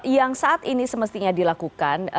yang saat ini semestinya dilakukan